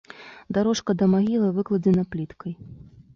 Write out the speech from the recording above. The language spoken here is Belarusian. Дарожка да магілы выкладзена пліткай.